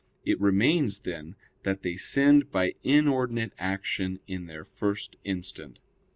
It remains, then, that they sinned by inordinate action in their first instant.